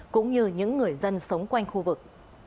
cũng như những người dân sống quanh khu vực